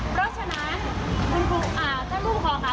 เพราะฉะนั้นคุณภูมิอ่าถ้าลูกพ่อค่ะ